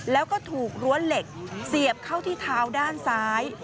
แล้วก็ถูกรั้วเหล็กเสียบเข้าที่เท้าด้านซ้าย